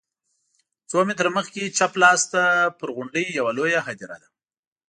څو متره مخکې چپ لاس ته پر غونډۍ یوه لویه هدیره ده.